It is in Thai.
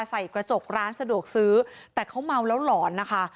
ใส่กระจกร้านสะดวกซื้อแต่เขาเมาแล้วหลอนนะคะ